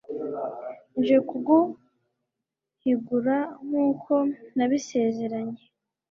nje kuguhigura nk'uko nabisezeranye